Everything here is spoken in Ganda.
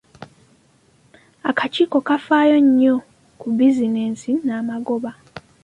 Akakiiko kafaayo nnyo ku bizinensi n'amagoba.